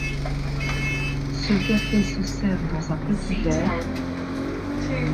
Ce café se sert dans un petit verre.